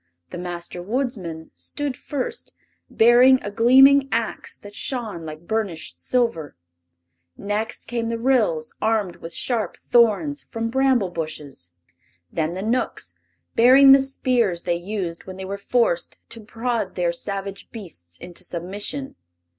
The Master Woodsman stood first, bearing a gleaming ax that shone like burnished silver. Next came the Ryls, armed with sharp thorns from bramblebushes. Then the Knooks, bearing the spears they used when they were forced to prod their savage beasts into submission.